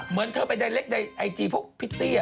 เหมือนเธอไปใดเล็กในไอจีพวกพิตตี้